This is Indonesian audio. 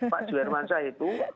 pak juwermansyah itu